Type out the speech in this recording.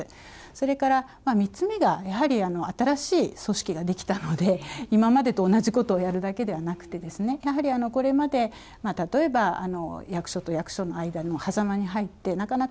それから３つ目が、やはり新しい組織が出来たので、今までと同じことをやるだけではなくて、やはりこれまで例えば、役所と役所の間のはざまに入って、なかな